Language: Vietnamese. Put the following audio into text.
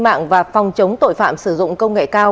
mạng và phòng chống tội phạm sử dụng công nghệ cao